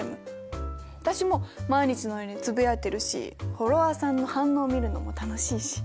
私も毎日のようにつぶやいてるしフォロワーさんの反応を見るのも楽しいし。